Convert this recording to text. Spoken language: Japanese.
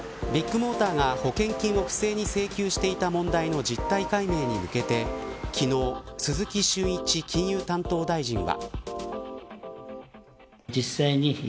ビッグモーターが保険金を不正に請求していた問題の実態解明に向けて昨日、鈴木俊一金融担当大臣は。